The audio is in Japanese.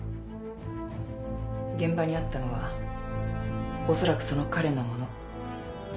現場にあったのはおそらくその彼のもの。